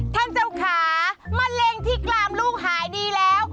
ท่านเจ้าขามะเร็งที่กลามลูกหายดีแล้ว